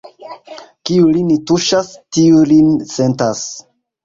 Kiu lin tuŝas, tiu lin sentas.